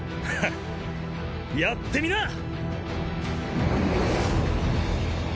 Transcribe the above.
フッやってみな！